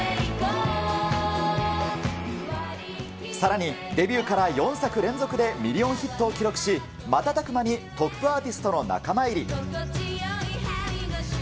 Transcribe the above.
さらに、デビューから４作連続でミリオンヒットを記録し、瞬く間にトップアーティストの仲間入り。